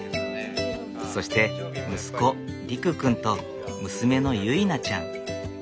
そして息子凌空くんと娘の結菜ちゃん。